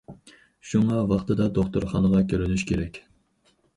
شۇڭا ۋاقتىدا دوختۇرخانىغا كۆرۈنۈش كېرەك.